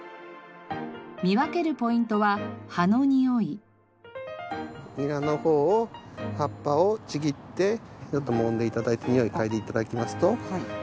見分けるポイントはニラの方を葉っぱをちぎってちょっともんで頂いてにおいを嗅いで頂きますと。